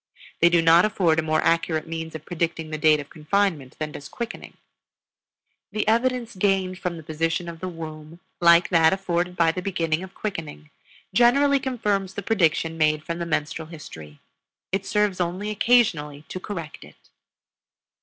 They do not afford a more accurate means of predicting the date of confinement than does quickening. The evidence gained from the position of the womb, like that afforded by the beginning of quickening, generally confirms the prediction made from the menstrual history; it serves only occasionally to correct it.